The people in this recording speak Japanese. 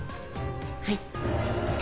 はい。